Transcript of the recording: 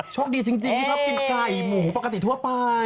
โชคดีจริงที่ชอบกินไก่หมูปกติทั่วไป